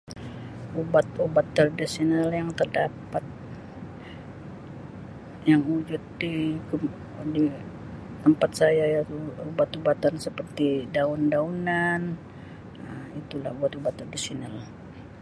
Ubat-ubat tradisional yang dapat yang [unintelligible] tempat saya iaitu ubat-ubatan seperti daun-daunan, Um itulah ubat-ubat tradisional.